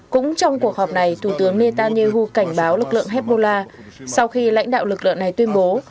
cũng trong cuộc họp này thủ tướng netanyahu cảnh báo lực lượng hezbollah sau khi lãnh đạo lực lượng này tuyên bố